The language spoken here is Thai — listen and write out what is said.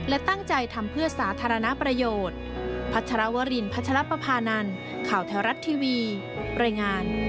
และตั้งใจทำเพื่อสาธารณประโยชน์